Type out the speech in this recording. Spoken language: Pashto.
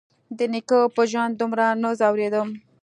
د نيکه په ژوند دومره نه ځورېدم.